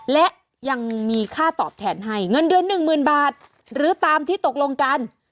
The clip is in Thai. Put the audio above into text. และยังมีค่าตอบแทนให้เงินเดือนหนึ่งหมื่นบาทหรือตามที่ตกลงกัน